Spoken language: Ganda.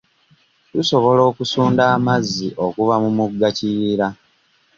Tusobola okusunda amazzi okuva mu mugga kiyiira.